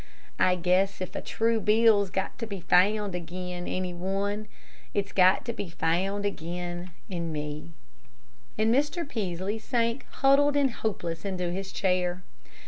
I guess if a true bill's got to be found agin any one, it's got to be found agin me." And Mr. Peaslee sank huddled and hopeless into his chair.